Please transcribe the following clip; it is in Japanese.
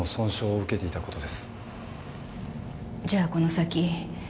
じゃあこの先